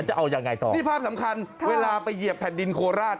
จะเอายังไงต่อนี่ภาพสำคัญเวลาไปเหยียบแผ่นดินโคราช